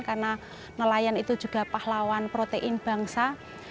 karena nelayan itu juga pahlawan protein bangsa